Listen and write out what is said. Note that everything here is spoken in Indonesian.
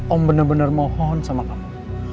om benar benar mohon sama kamu